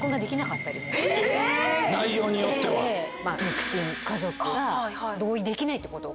肉親家族が同意できないってことを。